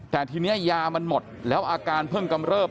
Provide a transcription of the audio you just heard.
แต่ทีนี้ยามันหมดแล้วอาการเพิ่งกำเริบ